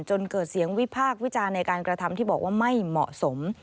จนเกิดเสียงวิพากษ์วิจารณ์ในการกระทำที่บอกว่าไม่เหมาะสม